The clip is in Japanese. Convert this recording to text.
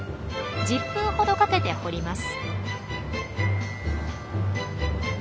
１０分ほどかけて掘ります。